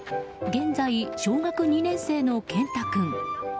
現在、小学２年生のけんた君。